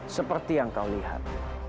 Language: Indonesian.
seperti yang kau lihat